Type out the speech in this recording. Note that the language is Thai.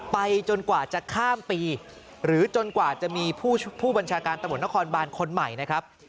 จนกว่าจะข้ามปีหรือจนกว่าจะมีผู้บัญชาการตำรวจนครบานคนใหม่นะครับ